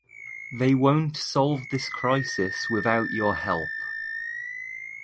They won’t solve this crisis without your help.